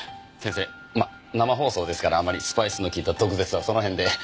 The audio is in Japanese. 「先生まあ生放送ですからあまりスパイスの利いた毒舌はその辺で」